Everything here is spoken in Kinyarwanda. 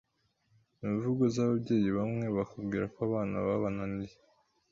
imvugo z’ababyeyi bamwe bakubwira ko abana babananiye,